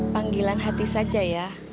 panggilan hati saja ya